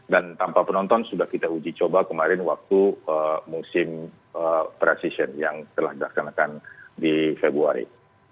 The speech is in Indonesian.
dan tanpa penonton sudah kita uji coba kemarin waktu musim precision yang telah dilakukan di februari